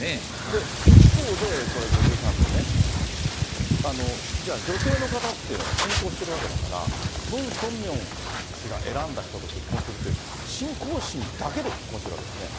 で、一方で、これ、５３世ね、じゃあ女性の方っていうのは信仰してるわけだから、ムン・ソンミョン氏が選んだ人と結婚するという、信仰心だけで結婚してるわけですよね。